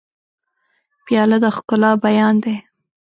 پیاله د ښکلا بیان دی.